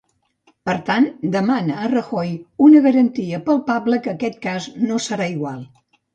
Per tant, demana a Rajoy una garantia palpable que aquest cas no serà igual.